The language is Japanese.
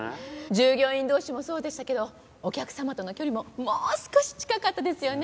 従業員同士もそうでしたけどお客様との距離ももう少し近かったですよね。